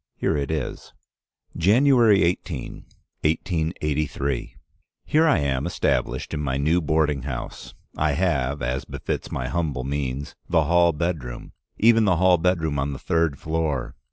Here it is: "January 18, 1883. Here I am established in my new boarding house. I have, as befits my humble means, the hall bedroom, even the hall bedroom on the third floor.